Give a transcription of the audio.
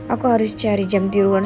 aku harus cari jam tiruan